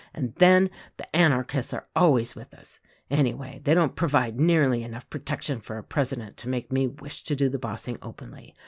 And then, the anarchists are always with us. Anyway, they don't provide nearly enough protection for a president to make me wish to do the bossing openly.